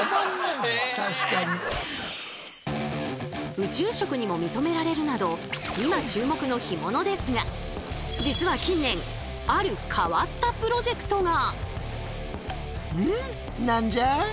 宇宙食にも認められるなど実は近年ある変わったプロジェクトが！